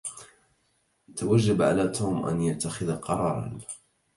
توجب على توم أن يتخذ قرارا.